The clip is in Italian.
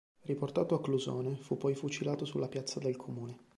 Riportato a Clusone fu poi fucilato sulla piazza del comune.